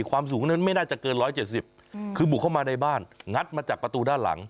ความสูงนั้นไม่น่าจะเกิน๑๗๐คือบุกเข้ามาในบ้านงัดมาจากประตูด้านหลัง